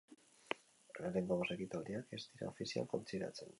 Lehenengo bost ekitaldiak ez dira ofizial kontsideratzen.